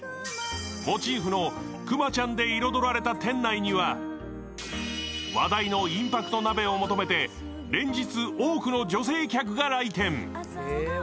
モチーフのくまちゃんで彩られた店内には話題のインパクト鍋を求めて連日、多くの女性客が来店。